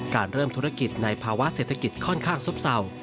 เริ่มธุรกิจในภาวะเศรษฐกิจค่อนข้างซบเศร้า